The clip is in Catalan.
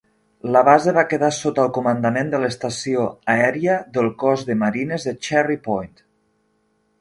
La base va quedar sota el comandament de l'Estació Aèria del Cos de Marines de Cherry Point.